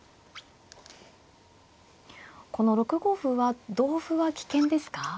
この６五歩は同歩は危険ですか。